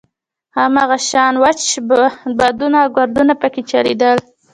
هماغه شان وچ بادونه او ګردونه په کې چلېدل.